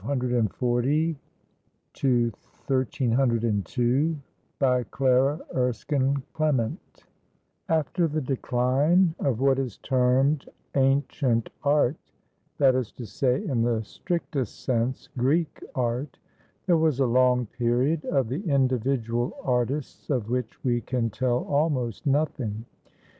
CIMABUE, THE FATHER OF PAINTING [i 240 1302] BY CLARA ERSKINE CLEMENT After the decline of what is termed "Ancient Art," — that is to say, in the strictest sense, Greek Art, — there was a long period, of the individual artists of which we can tell almost nothing.